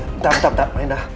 bentar bentar rena